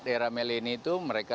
era melania itu mereka